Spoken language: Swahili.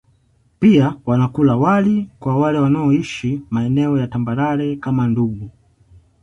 Pia wanakula wali kwa wale wanaoishi maeneo ya tambarare kama Ndungu